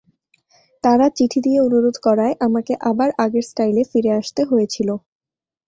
তাঁরা চিঠি দিয়ে অনুরোধ করায় আমাকে আবার আগের স্টাইলে ফিরে আসতে হয়েছিল।